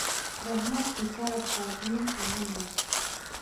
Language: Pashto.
د احمد کتاب په ځمکه ننوت.